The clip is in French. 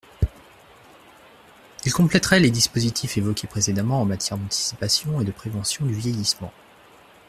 Il compléterait les dispositifs évoqués précédemment en matière d’anticipation et de prévention du vieillissement.